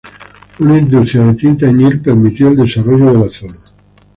Una industria de tinte añil permitió el desarrollo de la zona.